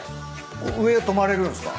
上泊まれるんすか？